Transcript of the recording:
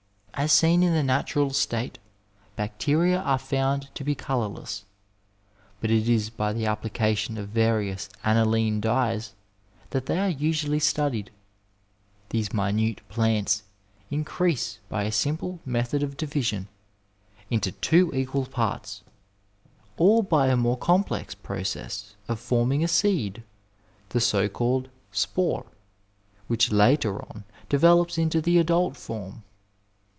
As seen in the natural state bacteria are found to be colourless, but it is by the application of various aniline dyes that they are usually studied. These 240 Digitized by VjOOQIC MEDICINE IN THE NINETEENTH CENTURY minute plants increase by a simple method of division into two equal parts, or by a more complex process of forming a seed — the so called spore — ^which later on de velops into the adult form.